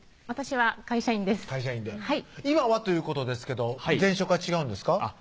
私は会社員です「今は」ということですけど前職は違うんですか？